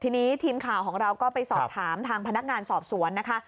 ทีนี้ทีมข่าวของเราก็ไปสอบถามทางพนักงานสอบสวนนะคะ